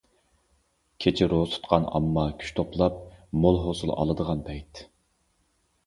كېچە روزا تۇتقان ئامما كۈچ توپلاپ، مول ھوسۇل ئالىدىغان پەيت.